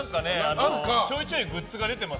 ちょいちょいグッズが出てます。